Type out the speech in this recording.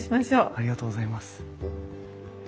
ありがとうございます。